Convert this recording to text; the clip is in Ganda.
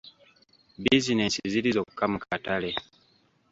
Bizinensi ziri zokka mu katale.